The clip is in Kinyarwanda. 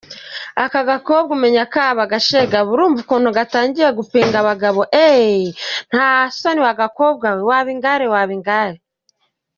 akagakobwa umenya kaba agashegabora urumva ukuntu gatangiye gupinga abagabo eee ntasoni wagakobwawe wabingare wabingare.